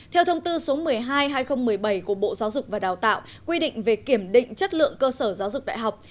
theo thông tư số một mươi hai hai nghìn một mươi bảy của bộ giáo dục và đào tạo quy định về kiểm định chất lượng cơ sở giáo dục đại học